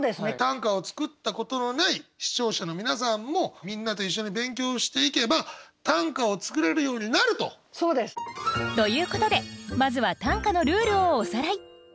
短歌を作ったことのない視聴者の皆さんもみんなと一緒に勉強していけば短歌を作れるようになると。ということでまずは短歌のルールをおさらい。